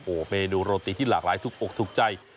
โอ้เมนูโรตีที่หลากหลายทุกทุกใจ